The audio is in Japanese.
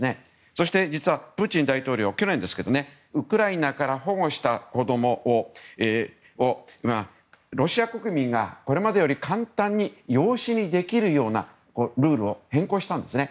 そして、実はプーチン大統領去年、ウクライナから保護した子供をロシア国民がこれまでより簡単に養子にできるようなルールに変更したんですね。